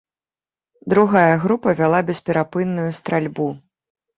Другая група вяла бесперапынную стральбу.